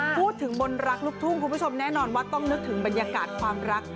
พูดถึงบนรักลูกทุ่งคุณผู้ชมแน่นอนว่าต้องนึกถึงบรรยากาศความรัก